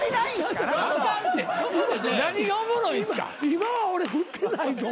今は俺振ってないぞ。